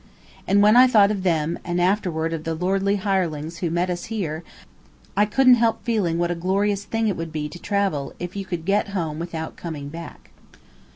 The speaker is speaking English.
And when I thought of them, and afterward of the lordly hirelings who met us here, I couldn't help feeling what a glorious thing it would be to travel if you could get home without coming back.